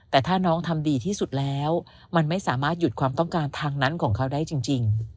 แต่ถ้าน้องทำดีที่สุดแล้วมันไม่สามารถหยุดความต้องการทางนั้นของเขาได้จริง